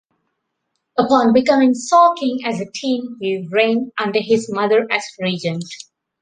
Upon becoming sole king as a teen, he reigned under his mother as regent.